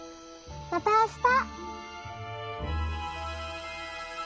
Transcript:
またあした。